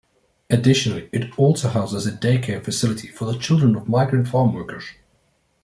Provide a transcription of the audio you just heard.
Additionally, it also houses a day-care facility for the children of migrant farm workers.